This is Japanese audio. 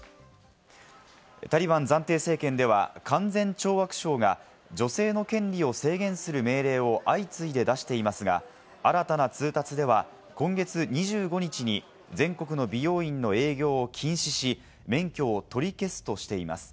タリバン暫定政権では、勧善懲悪省が女性の権利を制限する命令を相次いで出していますが、新たな通達では、今月２５日に全国の美容院の営業を禁止し、免許を取り消すとしています。